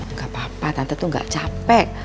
nggak apa apa tante tuh gak capek